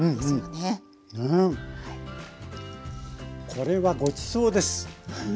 これはごちそうです。